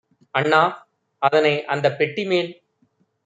"அண்ணா அதனை அந்தப் பெட்டிமேல்